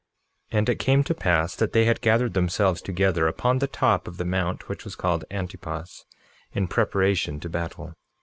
47:7 And it came to pass that they had gathered themselves together upon the top of the mount which was called Antipas, in preparation to battle.